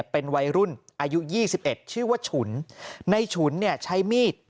เป็นวัยรุ่นอายุ๒๑ชื่อว่าฉุนในฉุนเนี่ยใช้มีด